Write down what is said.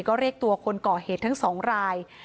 ก็เรียกตัวคนก่อเหตุทั้งสองราย